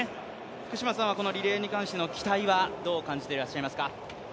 福島さんはこのリレーに関しての期待はどのように感じていらっしゃいますか？